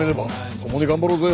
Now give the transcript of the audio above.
共に頑張ろうぜ。